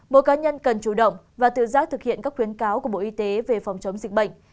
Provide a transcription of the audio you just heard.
mỗi cá nhân cần chủ động và tự giác thực hiện các khuyến cáo của bộ y tế về phòng chống dịch bệnh